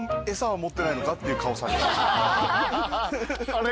あれ？